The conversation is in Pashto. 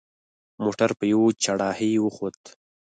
موټر په یوه چړهایي وخوت.